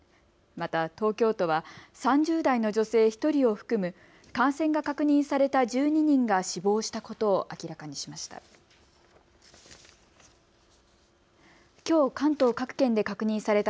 また東京都は３０代の女性１人を含む感染が確認された１２人が死亡したことを明らかにしました。